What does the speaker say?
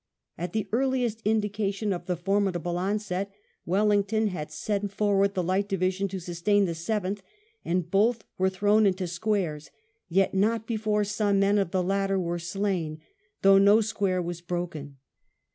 At the earliest indication of the formidable onset Wel lington had sent forward the Light Division to sustain the Seventh, and both were thrown into squares, yet not before some men of the latter were slain, though no square was broken.